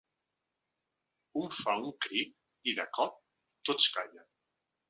Un fa un crit i de cop tots callen.